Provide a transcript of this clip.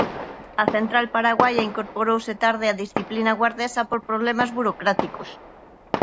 A central paraguaia incorporouse tarde á disciplina guardesa por problemas burocráticos.